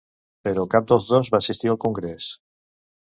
Però cap dels dos va assistir al congrés.